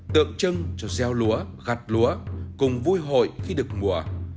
tượng trưng cho gieo lúa gặt lúa cùng vui hội khi được mùa